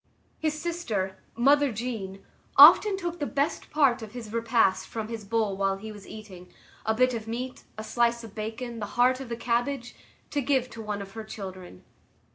His sister, mother Jeanne, often took the best part of his repast from his bowl while he was eating,—a bit of meat, a slice of bacon, the heart of the cabbage,—to give to one of her children.